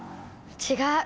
違う。